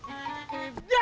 anak gua tuh